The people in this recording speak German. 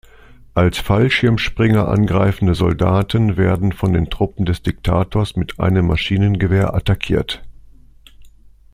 Als Fallschirmspringer angreifende Soldaten werden von den Truppen des Diktators mit einem Maschinengewehr attackiert.